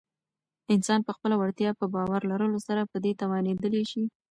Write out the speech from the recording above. انسان په خپله وړتیا په باور لرلو سره په دې توانیدلی شی